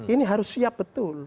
ini harus siap betul